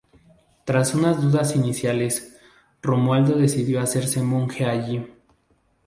Tras unas dudas iniciales, Romualdo decidió hacerse monje allí.